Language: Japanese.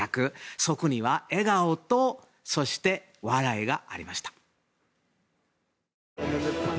そこには笑顔とそして笑いがありました。